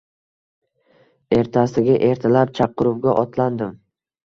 Ertasiga ertalab chaqiruvga otlandim